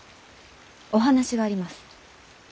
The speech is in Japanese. お話があります。